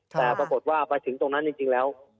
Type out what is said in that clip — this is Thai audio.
แต่ปรากฏว่าไปถึงตรงนั้นจริงแล้ว